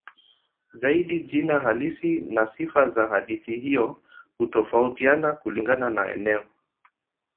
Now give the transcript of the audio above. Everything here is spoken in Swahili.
Zaidi jina halisi na sifa za hadithi hiyo hutofautiana kulingana na eneo.